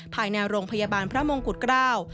ภายในโรงพยาบาลพระมงกุฎเกล้า